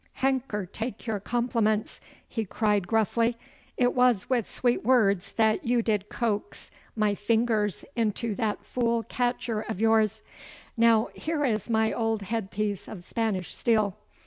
'Henker take your compliments,' he cried gruffly. 'It was with sweet words that you did coax my fingers into that fool catcher of yours. Now, here is my old headpiece of Spanish steel.